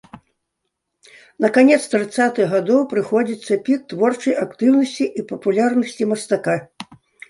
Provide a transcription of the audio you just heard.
На канец трыццатых гадоў прыходзіцца пік творчай актыўнасці і папулярнасці мастака.